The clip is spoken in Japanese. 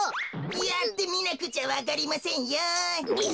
やってみなくちゃわかりませんよ。